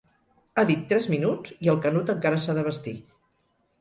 Ha dit tres minuts i el Canut encara s'ha de vestir.